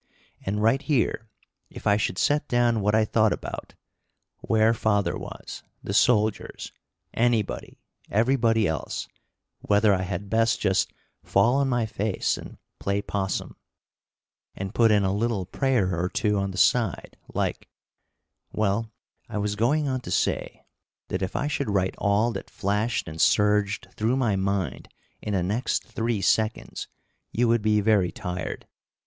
And right here, if I should set down what I thought about where father was, the soldiers, anybody, everybody else, whether I had best just fall on my face and "play possum" and put in a little prayer or two on the side, like well, I was going on to say that if I should write all that flashed and surged through my mind in the next three seconds, you would be very tired.